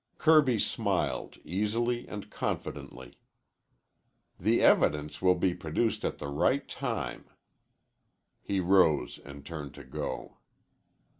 Kirby smiled, easily and confidently. "The evidence will be produced at the right time." He rose and turned to go.